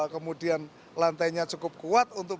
kemudian lantainya cukup kuat untuk